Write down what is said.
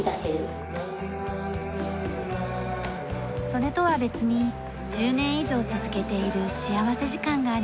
それとは別に１０年以上続けている幸福時間があります。